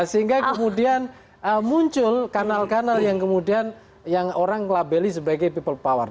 sehingga kemudian muncul kanal kanal yang kemudian yang orang labeli sebagai people power